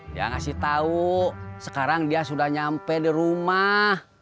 dia ngasih tahu sekarang dia sudah nyampe di rumah